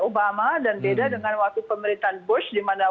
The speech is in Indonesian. obama dan beda dengan waktu pemerintahan bush dimana